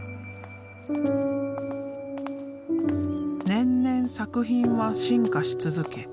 年々作品は進化し続け